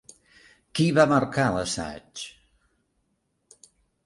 Qui va marcar l'assaig?